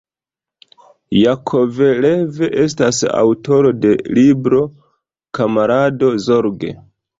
Jakovlev estas aŭtoro de libroj "Kamarado Zorge.